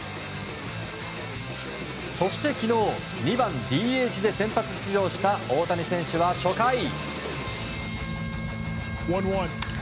そして、昨日２番ＤＨで先発出場した大谷選手は初回。